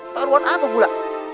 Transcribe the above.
taruhan apa pula